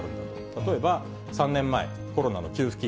例えば３年前、コロナの給付金